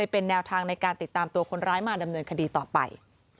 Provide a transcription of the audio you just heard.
เป็นแนวทางในการติดตามตัวคนร้ายมาดำเนินคดีต่อไป